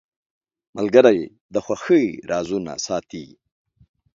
ملګری د خوښۍ رازونه ساتي.